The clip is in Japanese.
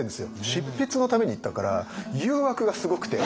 執筆のために行ったから誘惑がすごくて。